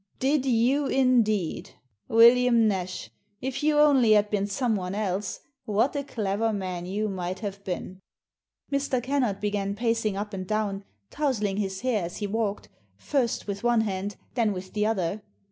"Did you, indeed! William Nash, if you only had been someone else, what a clever man you might have been !" Mr. Kennard began pacing up and down, tousling his hair as he walked, first with one hand, then with the other.